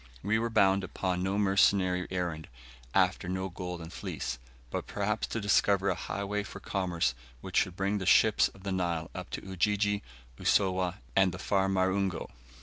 We were bound upon no mercenary errand, after no Golden Fleece, but perhaps to discover a highway for commerce which should bring the ships of the Nile up to Ujiji, Usowa, and far Marungu.